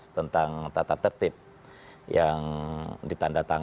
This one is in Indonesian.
tentang tata tertib yang ditandatangani